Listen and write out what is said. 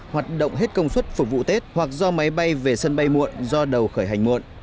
hoạt động hết công suất phục vụ tết hoặc do máy bay về sân bay muộn do đầu khởi hành muộn